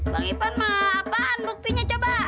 bang ifan mah apaan buktinya coba